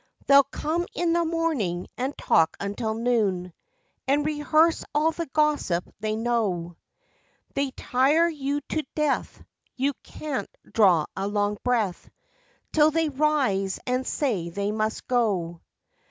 They'll come in the morning and talk until noon, And rehearse all the gossip they know, They tire you to death, you can't draw a long breath, 'Till they rise and say they must go.